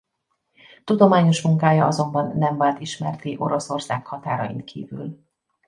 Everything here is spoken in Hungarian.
Tudományos munkája azonban nem vált ismertté Oroszország határain kívül.